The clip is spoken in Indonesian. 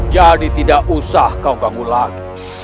jadi tidak usah kau ganggu lagi